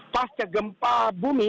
pas kegempa bumi